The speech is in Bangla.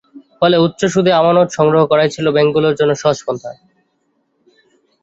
ফলে উচ্চ সুদে আমানত সংগ্রহ করাই ছিল ব্যাংকগুলোর জন্য সহজ পন্থা।